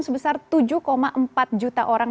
sebesar tujuh empat juta orang